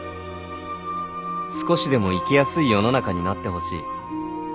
少しでも生きやすい世の中になってほしい